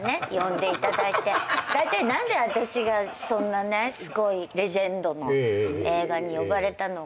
だいたい何で私がそんなすごいレジェンドの映画に呼ばれたのか。